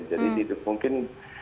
jadi itu mungkin